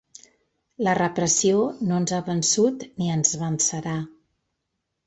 La repressió no ens ha vençut ni ens vencerà.